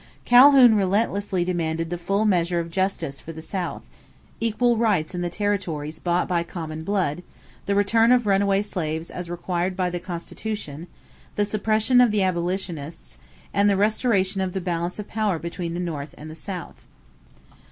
Calhoun relentlessly demanded the full measure of justice for the South: equal rights in the territories bought by common blood; the return of runaway slaves as required by the Constitution; the suppression of the abolitionists; and the restoration of the balance of power between the North and the South.